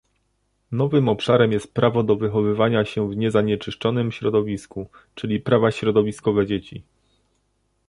Nowym obszarem jest prawo do wychowywania się w niezanieczyszczonym środowisku, czyli prawa środowiskowe dzieci